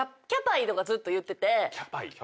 ずっと言ってて。